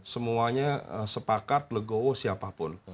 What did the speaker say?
semuanya sepakat legowo siapapun